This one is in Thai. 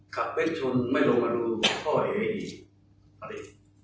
กัดเบ้นชนไม่ลงมารู้ว่าพ่อไอ้อะไร